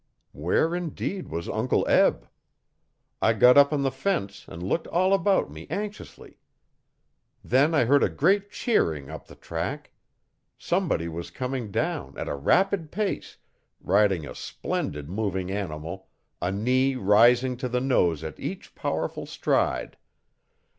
Where indeed was Uncle Eb? I got up on the fence and looked all about me anxiously. Then I heard a great cheering up the track. Somebody was coming down, at a rapid pace, riding a splendid moving animal, a knee rising to the nose at each powerful stride.